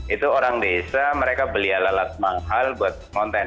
itu orang desa mereka beli alat alat mahal buat konten